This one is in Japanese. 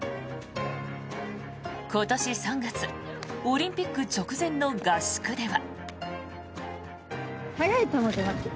今年３月オリンピック直前の合宿では。